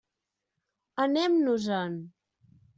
Anem-nos-en.